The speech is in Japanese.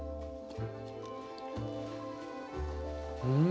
うん！